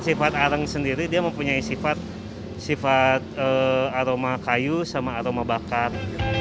sifat arang sendiri dia mempunyai sifat aroma kayu sama aroma bakar